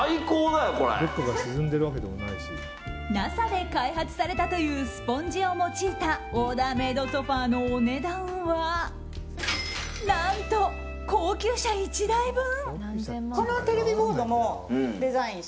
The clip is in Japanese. ＮＡＳＡで開発されたというスポンジを用いたオーダーメイドソファのお値段は何と、高級車１台分。